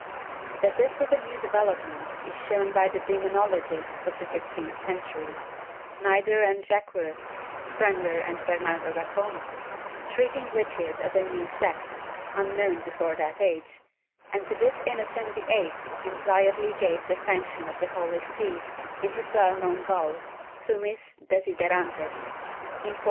That this was a new develop ment is shown by the demonologists of the fifteenth century — Nider and Jaquerius, Sprenger and Bernardo da Como — treating witches as a new sect, unknown before that age, and to this Inno cent VIII impliedly gave the sanction of the Holy See in his well known bull, Summis desiderantes, in 1484.